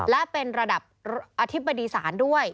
และเป็นระดับอธิบดีศาลด้วย